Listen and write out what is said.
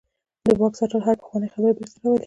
د واک ساتل هره پخوانۍ خبره بیرته راولي.